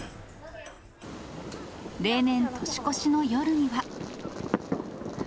例年、年越しの夜には。